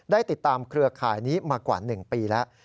ได้ติดตามเครือข่ายนี้มากว่า๑ปีแล้ว